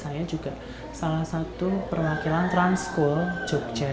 saya juga salah satu perwakilan trans school jogja